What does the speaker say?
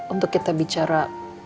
untuk kita bicara